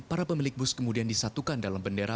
para pemilik bus kemudian disatukan dalam bendera